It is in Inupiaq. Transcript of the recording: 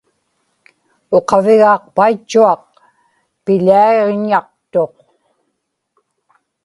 uqavigaaqpaitchuaq piḷiaġnaqtuq